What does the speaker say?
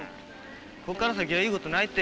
こっから先はいいことないって。